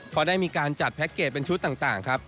พอได้มีการจัดแพ็คเกจเป็นชุดต่างครับ